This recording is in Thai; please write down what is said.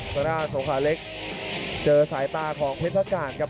สระโสคาเล็กเจอสายตาของเพศกาลครับ